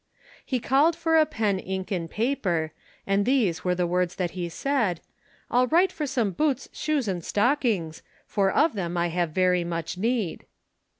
He call'd for a pen, ink, and paper, And these were the words that he said: "I'll write for some boots, shoes, and stockings, For of them I have very much need."